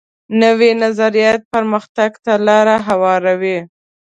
نوی نظریات پرمختګ ته لار هواروي